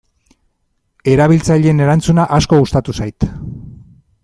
Erabiltzaileen erantzuna asko gustatu zait.